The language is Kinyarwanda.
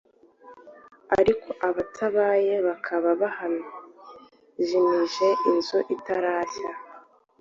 ariko abatabaye bakaba bahajimije inzu itarashya